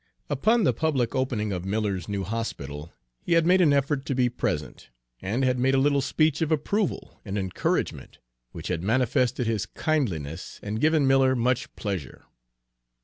Upon the public opening of Miller's new hospital, he had made an effort to be present, and had made a little speech of approval and encouragement which had manifested his kindliness and given Miller much pleasure.